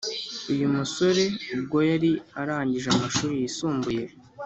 Uyu musore ubwo yari arangije amashuri yisumbuye